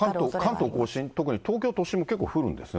関東甲信、特に東京都心も結構降るんですね。